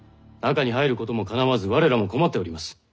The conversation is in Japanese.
中に入ることもかなわず我らも困っております。